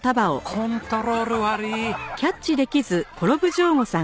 コントロール悪い。